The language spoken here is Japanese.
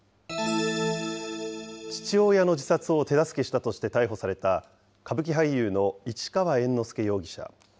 父親の自殺を手助けしたとして逮捕された、歌舞伎俳優の市川猿之助容疑者。